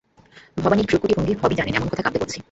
ভবানীর ভ্রূকুটিভঙ্গি ভবই জানেন, এমন কথা কাব্যে পড়েছি।